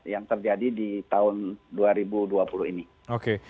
yang terjadi di tahun dua ribu dua puluh ini